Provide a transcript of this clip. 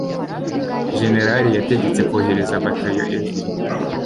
jenerali yategetse kohereza batayo ebyiri